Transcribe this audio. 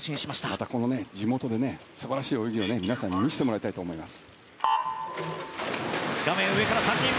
またこの地元で素晴らしい泳ぎを皆さんに見せてもらいたいと思います。